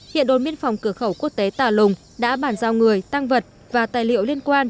hiện đồn biên phòng cửa khẩu quốc tế tà lùng đã bản giao người tăng vật và tài liệu liên quan